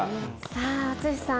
さあ淳さん